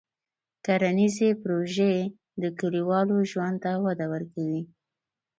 کرنيزې پروژې د کلیوالو ژوند ته وده ورکوي.